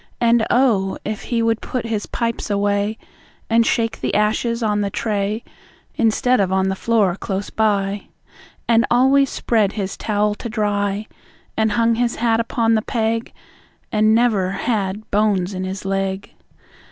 And oh! If he would put his pipes away, And shake the ashes on the tray Instead of on the floor close by; And always spread his towel to dry, And hung his hat upon the peg, And never had bones in his leg.